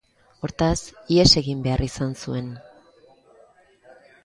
Hortaz, ihes egin behar izan zuen.